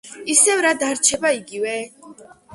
ასევე, რა დარჩება იგივე?